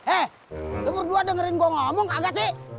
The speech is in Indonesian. eh lu berdua dengerin gua ngomong kagak sih